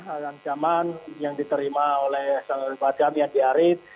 ancaman yang diterima oleh sahabat kami andi arief